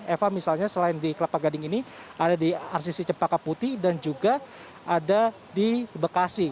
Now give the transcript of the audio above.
eva misalnya selain di kelapa gading ini ada di rcc cempaka putih dan juga ada di bekasi